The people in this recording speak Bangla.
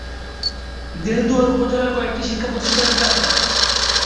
দেলদুয়ার উপজেলার কয়েকটি শিক্ষা প্রতিষ্ঠানের তালিকা:-